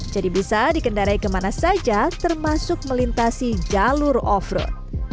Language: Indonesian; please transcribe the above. jadi bisa dikendarai kemana saja termasuk melintasi jalur off road